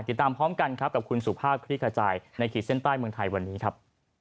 ติดตามพร้อมกันครับกับคุณสุภาพคลิกขจายในขีดเส้นใต้เมืองไทยวันนี้ครับ